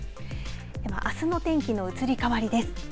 ではあすの天気の移り変わりです。